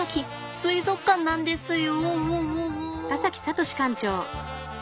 水族館なんですよ。